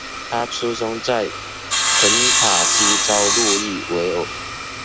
他出生在肯塔基州路易维尔。